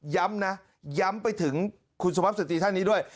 ย้ำนะย้ำไปถึงคุณสุภาพสตรีท่านนี้ด้วย